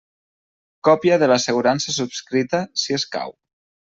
Còpia de l'assegurança subscrita, si escau.